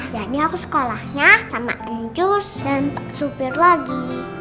jadi harus sekolahnya sama enjus dan pak supir lagi